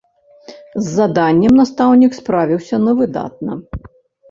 З заданнем настаўнік справіўся на выдатна.